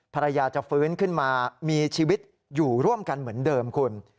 ภรรยาจะฟื้นขึ้นมามีชีวิตอยู่ร่วมกันเหมือนเดิมคุณ